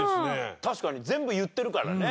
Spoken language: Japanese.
確かに全部言ってるからね。